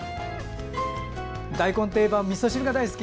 大根といえばみそ汁が大好き。